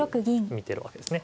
見てるわけですね。